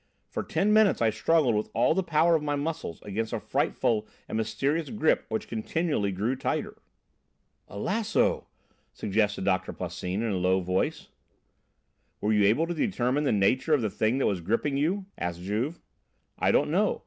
For ten minutes I struggled with all the power of my muscles against a frightful and mysterious grip which continually grew tighter." "A lasso!" suggested Doctor Plassin in a low voice. "Were you able to determine the nature of the thing that was gripping you?" asked Juve. "I don't know.